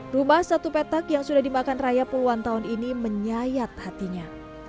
rumah satu petak yang sudah dimakan raya puluhan tahun ini menyayat hatinya